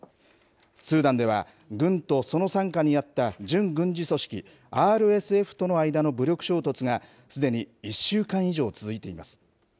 スーダンでは、軍とその傘下にあった準軍事組織、ＲＳＦとの間の武力衝突が、すでに１週間以上続いています。